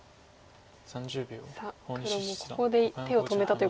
さあ黒もここで手を止めたということで。